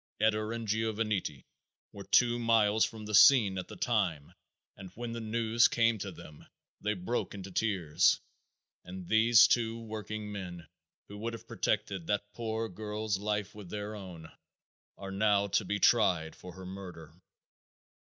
Ettor and Giovannitti were two miles from the scene at the time and when the news came to them they broke into tears and these two workingmen who would have protected that poor girl's life with their own are now to be tried for her murder.